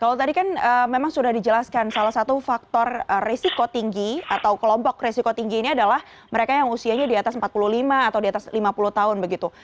kalau tadi kan memang sudah dijelaskan salah satu faktor risiko tinggi atau kelompok resiko tinggi ini adalah mereka yang usianya di atas empat puluh lima atau di atas lima puluh tahun begitu